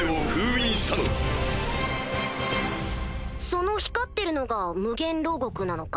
その光ってるのが無限牢獄なのか？